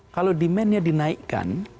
kalau demandnya dinaikkan